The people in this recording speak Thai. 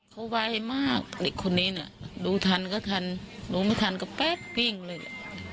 เขาไวมากเด็กคนนี้น่ะดูทันก็ทันดูไม่ทันก็แป๊กกิ้งเลย